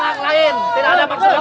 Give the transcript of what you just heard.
saya tidak ada kepentingan lain